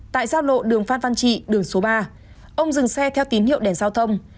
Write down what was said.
tại giao lộ đường phan văn trị đường số ba ông dừng xe theo tín hiệu đèn giao thông